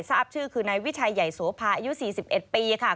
ทราบชื่อคือนายวิชัยใหญ่โสภาอายุ๔๑ปีค่ะ